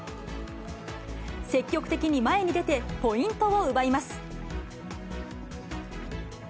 積極的に前に出てポイントを奪います。